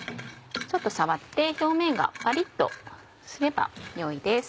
ちょっと触って表面がパリっとすれば良いです。